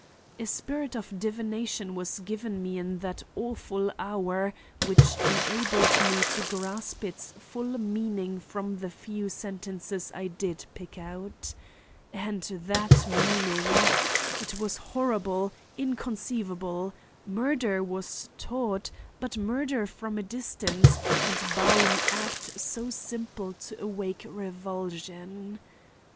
A spirit of divination was given me in that awful hour which enabled me to grasp its full meaning from the few sentences I did pick out. And that meaning! It was horrible, inconceivable. Murder was taught; but murder from a distance, and by an act too simple to awake revulsion.